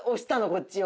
こっちを。